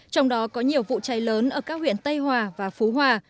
trong đó có nhiều vụ cháy lớn ở các huyện tây hòa và phú hòa